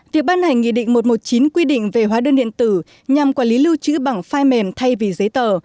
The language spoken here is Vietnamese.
việc ban hành nghị định một trăm một mươi chín quy định về hóa đơn điện tử nhằm quản lý lưu trữ bằng file mềm thay vì giấy tờ